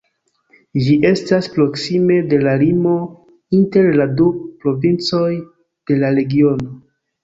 Ĝi estas proksime de la limo inter la du provincoj de la regiono.